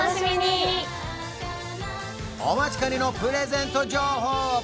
お待ちかねのプレゼント情報